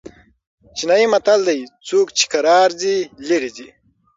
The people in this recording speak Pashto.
چینايي متل دئ: څوک چي کرار ځي؛ ليري ځي.